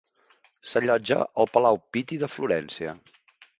S'allotja al Palau Piti de Florència.